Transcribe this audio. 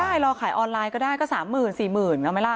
ก็ได้รอขายออนไลน์ก็ได้ก็สามหมื่นสี่หมื่นเอาไหมล่ะ